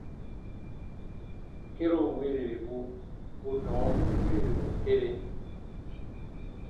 Kĩrun wiriribu bu dɔ̃ɔn wirirbu kere.